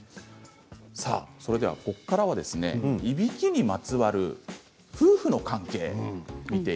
ここからは、いびきにまつわる夫婦の関係です。